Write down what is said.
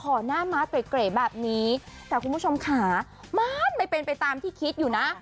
หน้าม้าเก๋แบบนี้แต่คุณผู้ชมค่ะมันไม่เป็นไปตามที่คิดอยู่นะ